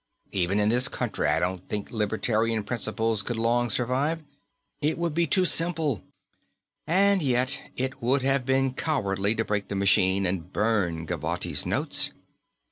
Even in this country, I don't think libertarian principles could long survive. It would be too simple "And yet it would have been cowardly to break the machine and burn Gavotti's notes.